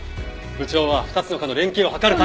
部長は２つの課の連携を図るために。